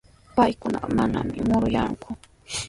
Paykuna manami muruyanku.